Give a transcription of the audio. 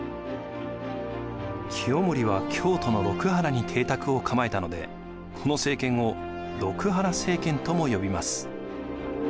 清盛は京都の六波羅に邸宅を構えたのでこの政権を六波羅政権とも呼びます。